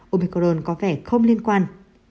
omicron có vẻ không liên quan